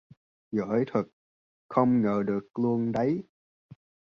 giởi thật, không ngờ được luôn đấy